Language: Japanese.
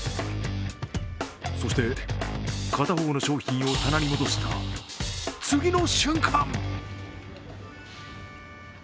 そして片方の商品を棚に戻した次の瞬間！